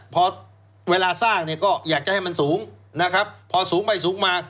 พอเวลาสร้างเนี่ยก็อยากจะให้มันสูงนะครับพอสูงไปสูงมา